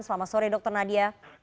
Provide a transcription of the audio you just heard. selamat sore dr nadia